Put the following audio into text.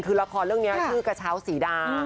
คือละครเรื่องนี้ชื่อกระเช้าสีดา